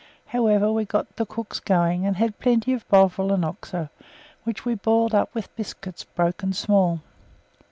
However, we got the cooks going, and had plenty of Bovril and Oxo, which we boiled up with biscuits broken small.